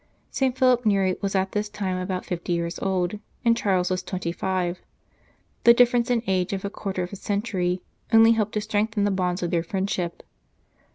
St. Philip Neri was at this time about fifty years old, and Charles was twenty five; the difference in age of a quarter of a century only helped to strengthen the bonds of their friendship.